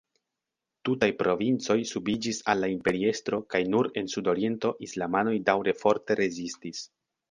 Tutaj provincoj subiĝis al la imperiestro kaj nur en sud-oriento islamanoj daŭre forte rezistis.